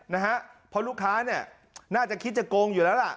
นะฮะเพราะลูกค้าเนี่ยน่าจะคิดจะโกงอยู่แล้วล่ะ